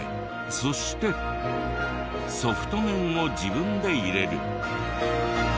そしてソフト麺を自分で入れる。